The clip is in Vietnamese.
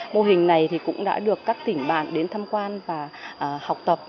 mô hình này cũng đã được các tỉnh bạn đến thăm quan và học tập